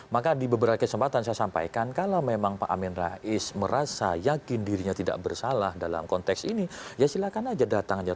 maka di beberapa kesempatan saya sampaikan kalau memang pak amin rais merasa yakin dirinya tidak bersalah dalam konteks ini ya silakan aja datang aja